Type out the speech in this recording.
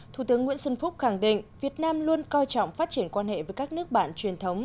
thủ tướng nguyễn xuân phúc khẳng định việt nam luôn coi trọng phát triển quan hệ với các nước bạn truyền thống